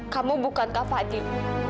kamu bukan kak fadil